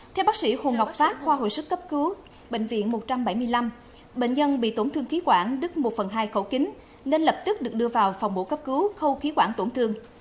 theo bác sĩ hồ ngọc phát khoa hồi sức cấp cứu bệnh viện một trăm bảy mươi năm bệnh nhân bị tổn thương khí quản đứt một phần hai khẩu kính nên lập tức được đưa vào phòng mổ cấp cứu khâu khí quản tổn thương